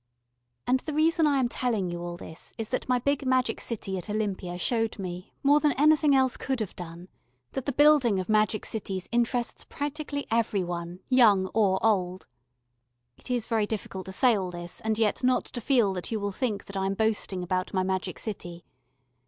And the reason I am telling you all this is that my big magic city at Olympia showed me, more than anything else could have done, that the building of magic cities interests practically every one, young or old. It is very difficult to say all this and yet not to feel that you will think that I am boasting about my magic city.